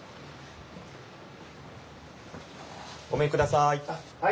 ごめんください。